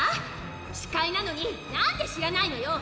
司会なのに、なんで知らないのよ。